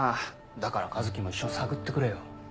だから一樹も一緒に探ってくれよ。